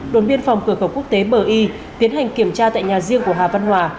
đồn biên phòng cửa khẩu quốc tế bờ y tiến hành kiểm tra tại nhà riêng của hà văn hòa